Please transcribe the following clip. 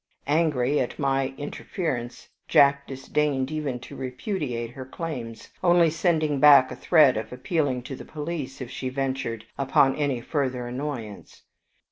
Angry at my interference, Jack disdained even to repudiate her claims, only sending back a threat of appealing to the police if she ventured upon any further annoyance.